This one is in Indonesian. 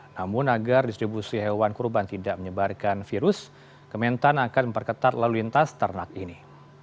namun agar distribusi hewan kurban tidak menyebarkan virus kementan akan memperketat lalu lintas ternak ini